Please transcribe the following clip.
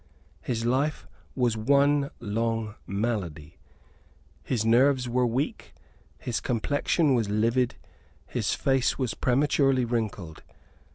His life was one long malady; his nerves were weak; his complexion was livid; his face was prematurely wrinkled.